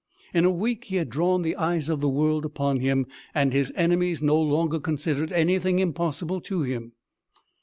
In a week he had drawn the eyes of the world upon him, and his enemies no longer considered anything impossible to him.